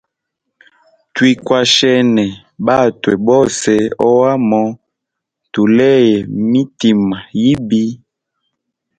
Twikwashene batwe bose ohamo tuleye mitima yibi.